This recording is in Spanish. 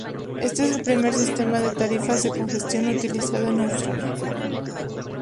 Este es el primer sistema de tarifas de congestión utilizado en Australia.